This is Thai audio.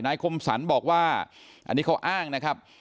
คมสรรบอกว่าอันนี้เขาอ้างนะครับ